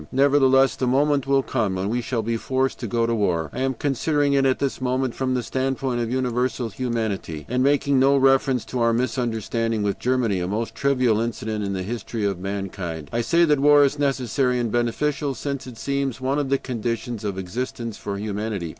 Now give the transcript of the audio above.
Nevertheless, the moment will come when we shall be forced to go to war. I am considering it at this moment from the standpoint of universal humanity, and making no reference to our misunderstanding with Germany a most trivial incident in the history of mankind. I say that war is necessary and beneficial, since it seems one of the conditions of existence for humanity.